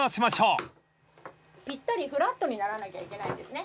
ぴったりフラットにならなきゃいけないんですね。